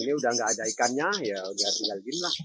ini udah nggak ada ikannya ya udah tinggal gini lah